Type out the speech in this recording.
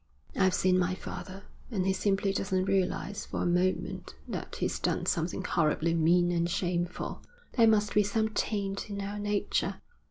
I've seen my father, and he simply doesn't realise for a moment that he's done something horribly mean and shameful. There must be some taint in our nature.